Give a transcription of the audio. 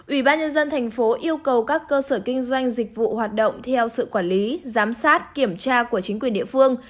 ubnd tp yêu cầu các cơ sở kinh doanh dịch vụ hoạt động theo sự quản lý giám sát kiểm tra của chính quyền địa phương